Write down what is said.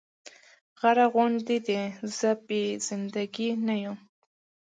غره غوندې دې زه بې زنده ګي نه يم